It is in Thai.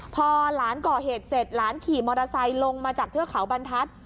พอหลานก่อเหตุเสร็จหลานขี่มอเตอร์ไซค์ลงมาจากเทือกเขาบรรทัศน์